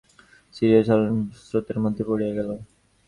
আপাদমস্তক বারম্বার শিহরিয়া শিহরিয়া স্খলিতপদে ফণিভূষণ স্রোতের মধ্যে পড়িয়া গেল।